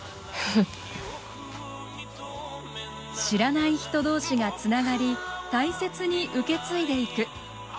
知らない人同士がつながり大切に受け継いでいく。